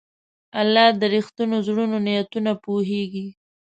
الله د رښتینو زړونو نیتونه پوهېږي.